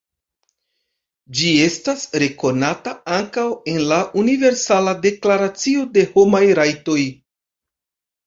Ĝi estas rekonata ankaŭ en la Universala Deklaracio de Homaj Rajtoj.